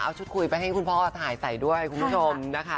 เอาชุดคุยไปให้คุณพ่อถ่ายใส่ด้วยคุณผู้ชมนะคะ